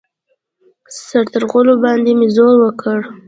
سترغلو باندې مې زور وکړ.